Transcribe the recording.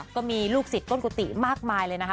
ก็มีลูกศิษย์ต้นกุฏิมากมายเลยนะคะ